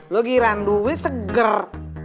lo giranduhnya seger